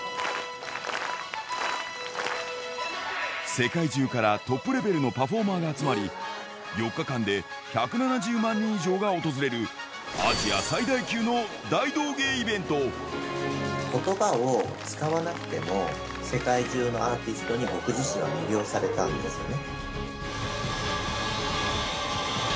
世界中からトップレベルのパフォーマーが集まり、４日間で１７０万人以上が訪れる、ことばを使わなくても、世界中のアーティストに僕自身が魅了されたんですよね。